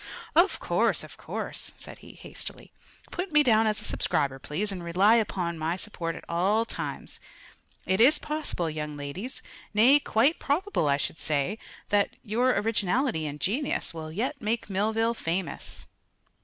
"Of course; of course!" said he hastily. "Put me down as a subscriber, please, and rely upon my support at all times. It is possible, young ladies nay, quite probable, I should say that your originality and genius will yet make Millville famous."